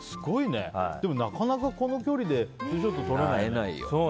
でもなかなかこの距離でツーショット撮れないよ。